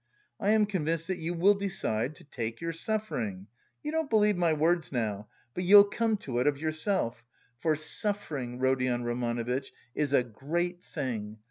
I am convinced that you will decide, 'to take your suffering.' You don't believe my words now, but you'll come to it of yourself. For suffering, Rodion Romanovitch, is a great thing.